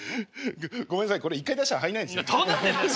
ごめんなさいこれ一回出したら入んないんですよ。